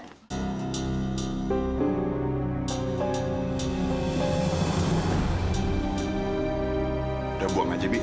sudah buang aja bi